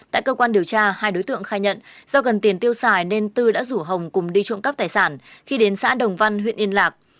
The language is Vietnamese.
tại cơ quan điều tra hai đối tượng khai nhận do cần tiền tiêu xài nên tư đã rủ hồng cùng đi trộm cắp tài sản khi đến xã đồng văn huyện yên lạc